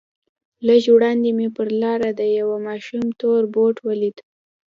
لږ وړاندې مې پر لاره د يوه ماشوم تور بوټ ولېد.